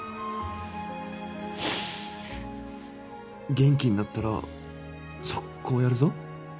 元気になったら即行やるぞ。